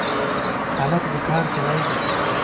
هلک د کار سړی دی.